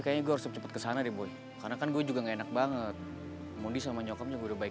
kalo ini dia gak mau waktu un lo tuh ada keseluruhan